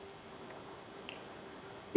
ya untuk di medan